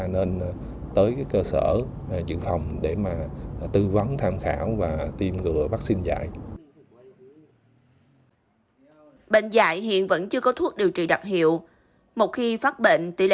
bộ y tế nhận định trong thời gian này bệnh dạy vẫn chưa có thuốc điều trị đặc hiệu